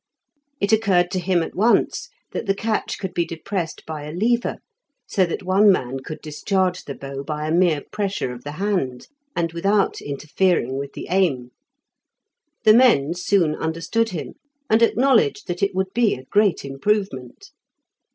It occurred to him at once that the catch could be depressed by a lever, so that one man could discharge the bow by a mere pressure of the hand, and without interfering with the aim. The men soon understood him, and acknowledged that it would be a great improvement.